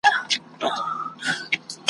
ستا د وعدې په توره شپه کي مرمه `